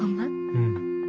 うん。